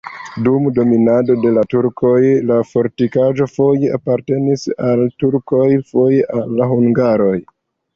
Dum dominado de la turkoj la fortikaĵo foje apartenis al turkoj, foje al hungaroj.